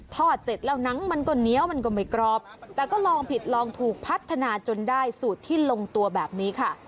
เสร็จแล้วหนังมันก็เหนียวมันก็ไม่กรอบแต่ก็ลองผิดลองถูกพัฒนาจนได้สูตรที่ลงตัวแบบนี้ค่ะ